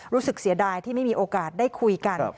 รู้สึกเสียดายที่ไม่มีโอกาสได้คุยกัน